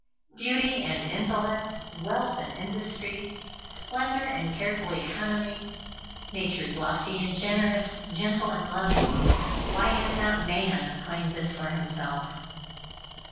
Beauty and intellect, wealth and industry, splendor and careful economy, natures lofty and generous, gentle and loving why has not Man claimed this for himself?